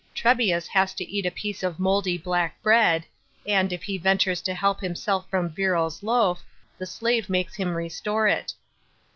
Trebius ha< to eat a I'iece of mouldy black bread, and if he ventures to help himself f om Virro's loaf, the slave makes him restore it.